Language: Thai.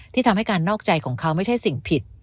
ทำให้การนอกใจของเขาไม่ใช่สิ่งผิด